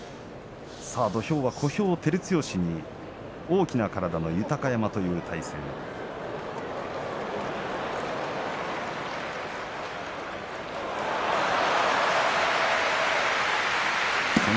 土俵は小兵の照強に大きな体の豊山と対戦です。